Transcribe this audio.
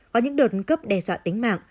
có những đột cấp đe dọa tính mạng